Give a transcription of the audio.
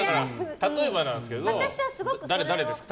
例えばですけど、誰ですか？